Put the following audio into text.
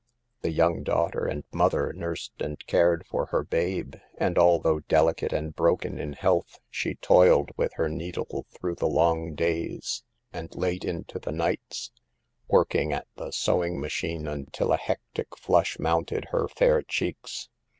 The young daughter and mother nursed and cared for her babe, and although delicate and broken in health, she toiled with her needle through the long days and late into the nights, working at the sewing machine until a hectic flush mounted her fair cheeks.